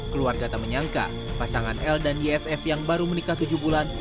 keluarga tak menyangka pasangan l dan ysf yang baru menikah tujuh bulan